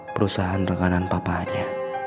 perusahaan rekanan papa aja